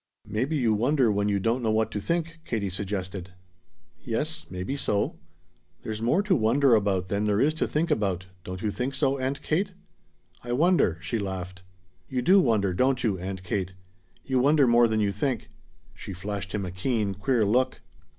"Maybe you wonder when you don't know what to think," Katie suggested. "Yes, maybe so. There's more to wonder about than there is to think about, don't you think so, Aunt Kate?" "I wonder," she laughed. "You do wonder, don't you, Aunt Kate? You wonder more than you think." She flashed him a keen, queer look.